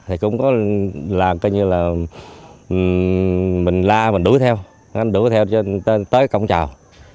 anh làm coi như là mình la mình đuổi theo anh đuổi theo cho tới cổng rào